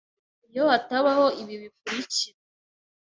iyo hatabaho ibi bikurikira: